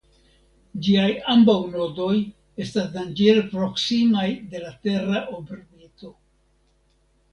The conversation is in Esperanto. Ĝiaj ambaŭ nodoj estas danĝere proksimaj de la tera orbito.